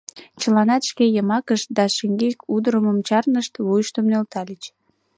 Чыланат шке йымакышт да шеҥгек удырымым чарнышт, вуйыштым нӧлтальыч.